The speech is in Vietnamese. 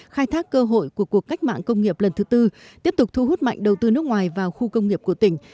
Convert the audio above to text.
khai thác cơ hội của cuộc cách mạng công nghiệp lần thứ tư tiếp tục thu hút mạnh đầu tư nước ngoài vào khu công nghiệp của tỉnh